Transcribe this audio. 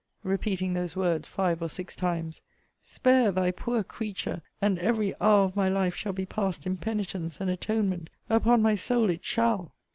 repeating those words five or six times, spare thy poor creature, and every hour of my life shall be passed in penitence and atonement: upon my soul it shall!